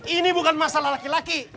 ini bukan masalah laki laki